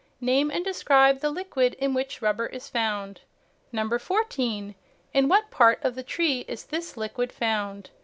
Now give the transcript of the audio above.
Name and describe the liquid in which rubber is found? 14. In what part of the tree is this liquid found?